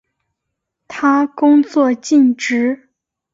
他工作尽职。